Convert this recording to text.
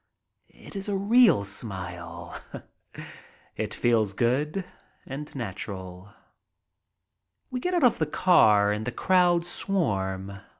It is a real smile. It feels good and natural. We get out of the car and the crowds swarm.